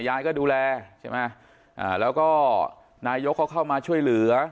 ยายก็ดูแลใช่ไหมอ่าแล้วก็นายกเขาเข้ามาช่วยเหลือ